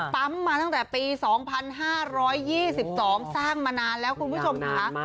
มาตั้งแต่ปี๒๕๒๒สร้างมานานแล้วคุณผู้ชมค่ะ